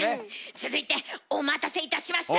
続いてお待たせいたしました！